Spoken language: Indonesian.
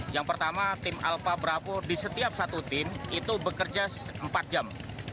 yang pertama tim alpha bravo di setiap satu tim itu bekerja empat jam